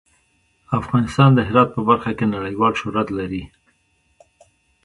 افغانستان د هرات په برخه کې نړیوال شهرت لري.